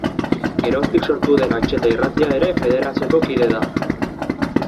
Geroztik sortu den Antxeta irratia ere federazioko kide da.